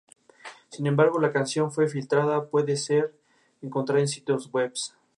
Los españoles llamaron así al pueblo por los indios que allí habitaban.